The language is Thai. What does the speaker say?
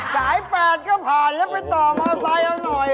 สาย๘ก็ผ่านแล้วไปต่อมอไซค์เอาหน่อย